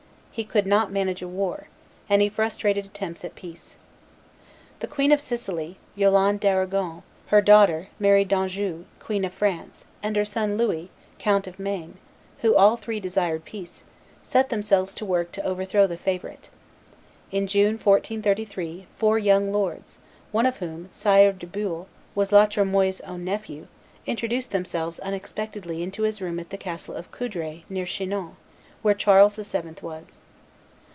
He could not manage a war, and he frustrated attempts at peace. The Queen of Sicily, Yolande d'Aragon, her daughter, Mary d'Anjou, Queen of France, and her son, Louis, Count of Maine, who all three desired peace, set themselves to work to overthrow the favorite. In June, 1433, four young lords, one of whom, Sire de Beuil, was La Tremoille's own nephew, introduced themselves unexpectedly into his room at the castle of Coudray, near Chinon, where Charles VII. was.